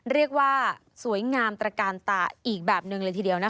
เรียกว่าสวยงามตระกาลตาอีกแบบหนึ่งเลยทีเดียวนะคะ